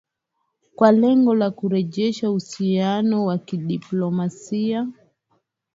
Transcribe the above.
kwa lengo la kurejesha uhusiano wa kidiplomasia